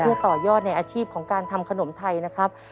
เพื่อต่อยอดในอาชีพของการทำขนมไทยนะครับ